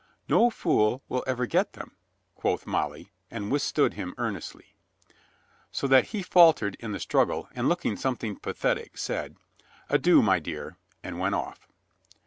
"No fool will ever get them," quoth Molly and withstood him earnestly. So that he faltered in the struggle, and looking something pathetic, said, "Adieu, my dear," and went off.